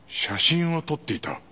写真を撮っていた？